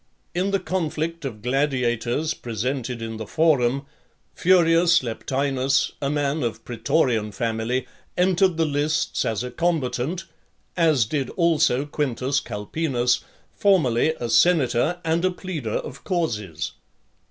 In the conflict of gladiators presented in the Forum, Furius Leptinus, a man of praetorian family, entered the lists as a combatant, as did also Quintus Calpenus, formerly a senator, and a pleader of causes.